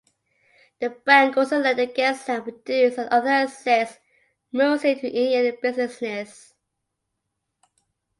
The bank also lent against land, produce, and other assets, mostly to Indian businesses.